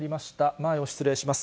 前を失礼します。